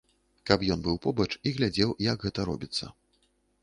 Каб ён быў побач і глядзеў, як гэта робіцца.